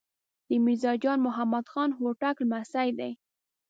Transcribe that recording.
د میرزا جان محمد خان هوتک لمسی دی.